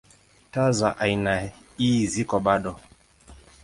Taa za aina ii ziko bado.